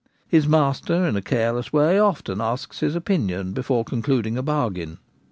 — his master in a careless way often asks his opinion before concluding a bargain.